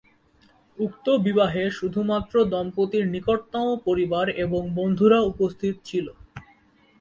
উক্ত বিবাহে শুধুমাত্র দম্পতির নিকটতম পরিবার এবং বন্ধুরা উপস্থিত ছিল।